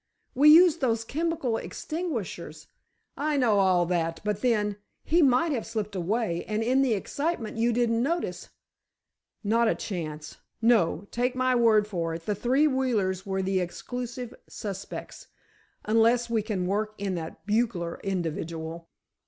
We used those chemical extinguishers——" "I know all that—but then—he might have slipped away, and in the excitement you didn't notice——" "Not a chance! No, take my word for it, the three Wheelers are the exclusive suspects—unless we can work in that bugler individual."